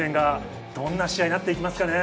どんな試合になっていきますかね？